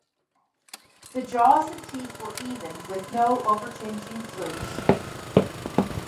The jaws and teeth were even with no overchanging flews.